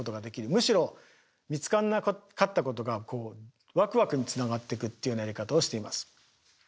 むしろ見つからなかったことがこうワクワクにつながっていくっていうやり方をしています。